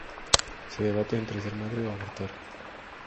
Se debate entre ser madre o abortar.